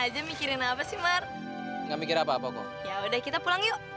hai sendirian aja mikirin apa sih marga mikir apa apa kok ya udah kita pulang yuk